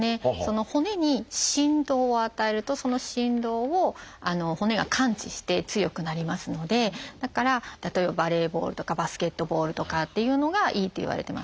骨に振動を与えるとその振動を骨が感知して強くなりますのでだから例えばバレーボールとかバスケットボールとかっていうのがいいっていわれてます。